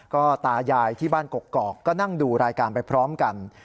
ก็ตายายที่บ้านกกอกก็นั่งดูรายการไปพร้อมกัน